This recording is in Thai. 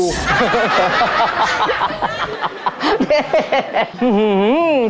ฮ่า